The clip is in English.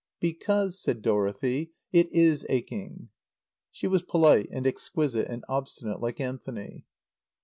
"Because," said Dorothy, "it is aching." She was polite and exquisite and obstinate, like Anthony.